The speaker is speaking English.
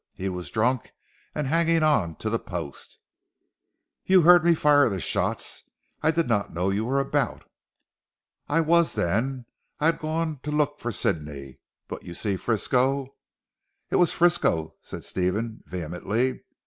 He was drunk and hanging on to the post." "You heard me fire the shots. I did not know you were about?" "I was then. I had gone to look for Sidney. But you see Frisco " "It was Frisco," said Stephen vehemently.